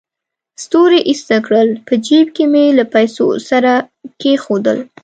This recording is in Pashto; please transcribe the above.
ستوري ایسته کړل، په جېب کې مې له پیسو سره کېښودل.